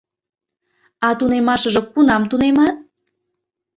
А тунемашыже кунам тунемат?